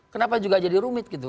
kenapa juga jadi rumit gitu